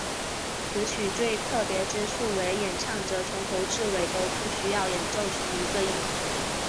此曲最特别之处为演奏者从头至尾都不需要演奏出一个音。